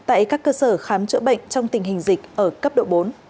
tại các cơ sở khám chữa bệnh trong tình hình dịch ở cấp độ bốn